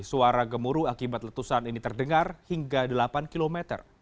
suara gemuruh akibat letusan ini terdengar hingga delapan km